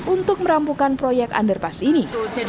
untuk merampukan proyek underpass ini